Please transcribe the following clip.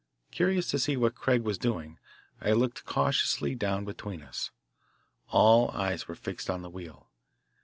Curious to see what Craig was doing, I looked cautiously down between us. All eyes were fixed on the wheel.